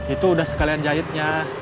itu udah sekalian jahitnya